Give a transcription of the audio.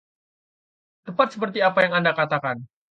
Tepat seperti apa yang Anda katakan.